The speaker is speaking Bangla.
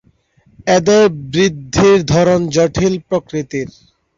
এদের বৃদ্ধির ধরন জটিল প্রকৃতির।